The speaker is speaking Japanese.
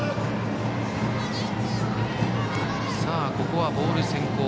ここはボール先行。